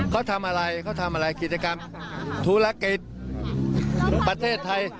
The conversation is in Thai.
เขาทำอะไรเขาทำอะไรกิจกรรมธุรกิจประเทศไทย